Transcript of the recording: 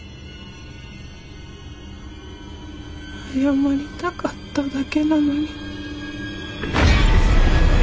謝りたかっただけなのに。